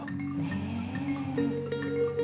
ねえ。